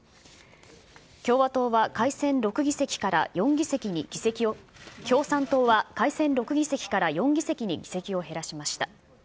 共産党は改選６議席から４議席に、共産党は改選６議席から４議席に議席を減らしました。